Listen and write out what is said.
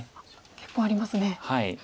結構ありますね。